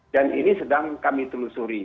dan ini sedang kami telusuri